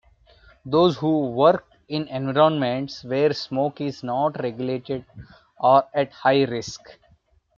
Those who work in environments where smoke is not regulated are at higher risk.